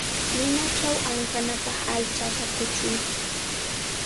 Ninachaw ankanapaq aychata kuchuy.